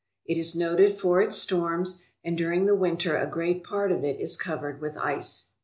It is noted for its storms, and during the winter a great part of it is covered with ice.